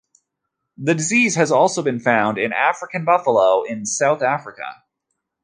The disease has also been found in African buffalo in South Africa.